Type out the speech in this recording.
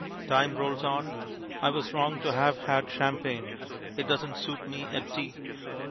Time rolls on. I was wrong to have had champagne. It doesn't suit me at tea.